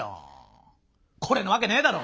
これのわけねえだろ！